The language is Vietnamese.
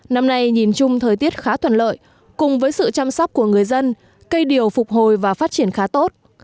năm nay nhìn chung thời tiết khá thuận lợi cùng với sự chăm sóc của người dân cây điều phục hồi và phát triển khá tốt